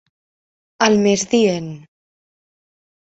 Al més dient.